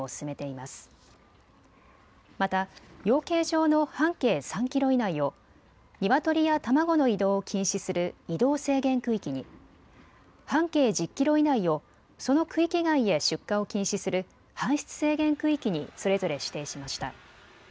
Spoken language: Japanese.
また養鶏場の半径３キロ以内をニワトリや卵の移動を禁止する移動制限区域に、半径１０キロ以内をその区域外へ出荷を禁止する搬出制限区域にそれぞれ指定しました。